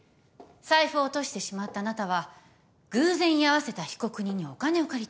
財布を落としてしまったあなたは偶然居合わせた被告人にお金を借りた。